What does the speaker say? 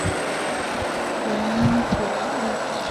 庞祖勒。